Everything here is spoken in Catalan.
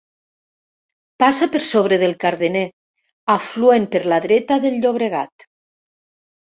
Passa per sobre del Cardener, afluent per la dreta del Llobregat.